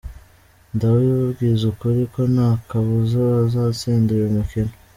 Ndababwiza ukuri ko nta kabuza bazatsinda uyu mukino.